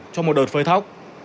trong một đợt phơi thóc